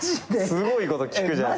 すごいこと聞くじゃない。